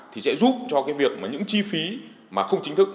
thì sẽ giúp cho cái việc mà những chi phí mà không chính thức